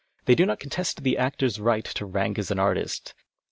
They do not contest the actor's right to rank as an artist.